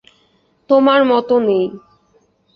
তোমার মত নেই।